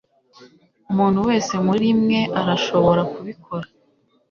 umuntu wese muri mwe arashobora kubikora